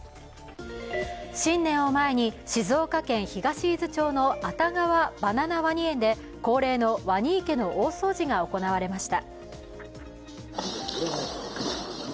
新年を前に静岡県東伊豆町の熱川バナナワニ園で恒例のワニ池の大掃除が行われました。